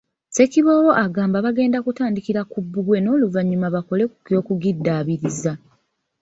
Ssekiboobo agamba bagenda kutandikra ku bbugwe n'oluvannyuma bakole ku ky'okugiddaabiriza.